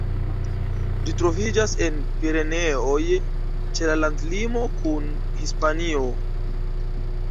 Ĝi troviĝas en Pireneoj, ĉe la landlimo kun Hispanio.